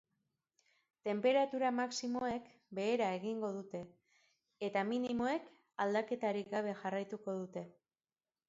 Tenperatura maximoek behera egingo dute eta minimoek aldaketarik gabe jarraituko dute.